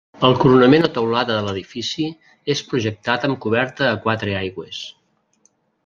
El coronament o teulada de l’edifici, és projectada amb coberta a quatre aigües.